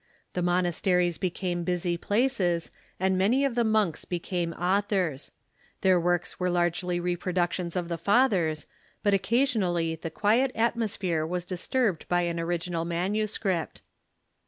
The monasteries became busy places, and nianj^ of the monks became authors. Their works were largely reproductions of the Fathers, but occasionally the quiet atmosphere was disturbed by an original manuscript.